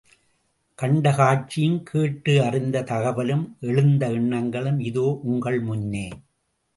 கண்ட காட்சியும், கேட்டு அறிந்த தகவலும், எழுந்த எண்ணங்களும் இதோ உங்கள் முன்னே.